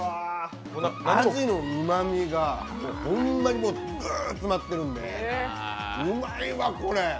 あじのうまみがホンマにグーッ詰まってるんでうまいわ、これ。